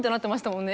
もんね